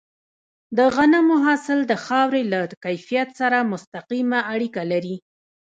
د غنمو حاصل د خاورې له کیفیت سره مستقیمه اړیکه لري.